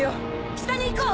下に行こう！